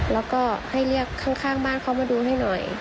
แล้วก็ให้เรียกข้างบ้านเขามาดูให้หน่อย